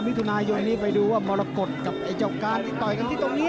มิถุนายนนี้ไปดูว่ามรกฏกับไอ้เจ้าการที่ต่อยกันที่ตรงนี้